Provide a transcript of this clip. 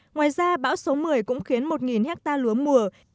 ngoài ra bão số một mươi cũng khiến một ha lúa mùa